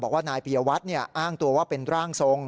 บอกว่านายปียวัตรอ้างตัวว่าเป็นร่างทรง